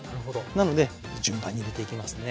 なので順番に入れていきますね。